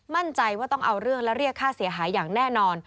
มั่นใจว่าต้องเอาเรื่องและเรียกค่าเสียหายอย่างแน่นอน